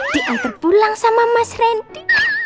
diantar pulang sama mas randy